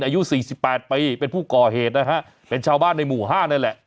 อายุ๔๘ปีเป็นผู้ก่อเหตุนะฮะเป็นชาวบ้านในหมู่๕นั่นแหละ